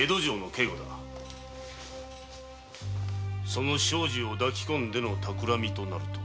その庄司を抱き込んでのたくらみとなると。